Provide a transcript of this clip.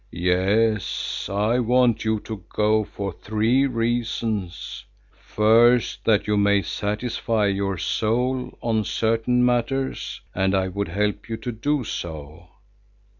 Yes, I want you to go for three reasons. First, that you may satisfy your soul on certain matters and I would help you to do so.